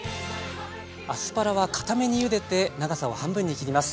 アスパラはかためにゆでて長さを半分に切ります。